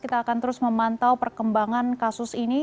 kita akan terus memantau perkembangan kasus ini